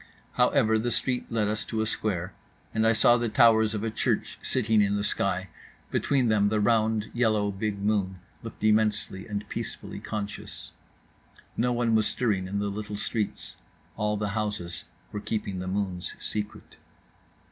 However the street led us to a square, and I saw the towers of a church sitting in the sky; between them the round, yellow, big moon looked immensely and peacefully conscious … no one was stirring in the little streets, all the houses were keeping the moon's secret.